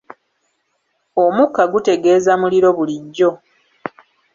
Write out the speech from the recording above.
Omukka gutegeeza muliro bulijjo.